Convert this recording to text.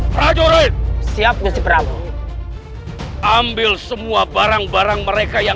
berduli apa aku dengan kalian